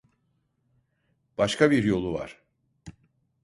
Başka bir yolu var.